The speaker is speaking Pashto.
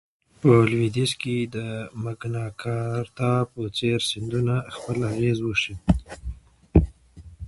په لوېدیځ کې د مګناکارتا په څېر سندونو خپل اغېز وښند.